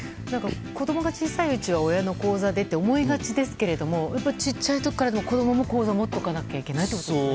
子供が小さいうちは親の口座でって思いがちですけれども小さい時から子供も口座を持っておかなきゃいけないということですね。